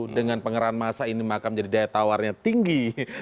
dengan pengerahan masa ini maka menjadi daya tawarnya tinggi